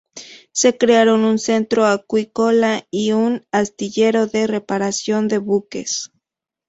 Se crearon un centro acuícola y un astillero de reparación de buques.